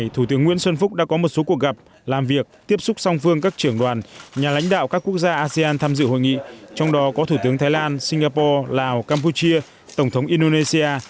thủ tướng nguyễn xuân phúc đã có một số cuộc gặp làm việc tiếp xúc song phương các trưởng đoàn nhà lãnh đạo các quốc gia asean tham dự hội nghị trong đó có thủ tướng thái lan singapore lào campuchia tổng thống indonesia